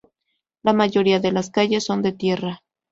La mayoría de las calles son de tierra.